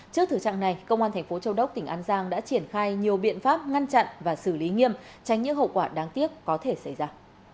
trước thử trạng này công an thành phố châu đốc tỉnh an giang đã triển khai nhiều biện pháp ngăn chặn và xử lý nghiêm tránh những hậu quả đáng tiếc có thể xảy ra